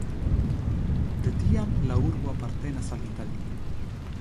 De tiam la urbo apartenas al Italio.